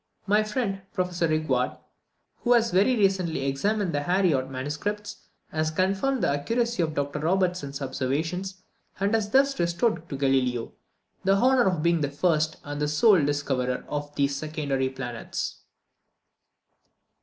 My friend, Professor Rigaud, who has very recently examined the Harriot MSS., has confirmed the accuracy of Dr Robertson's observations, and has thus restored to Galileo the honour of being the first and the sole discoverer of these secondary planets.